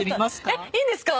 えっいいんですか？